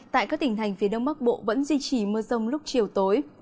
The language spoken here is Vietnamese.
tại các tỉnh thành phía đông bắc bộ vẫn duy trì mưa rông lúc chiều tối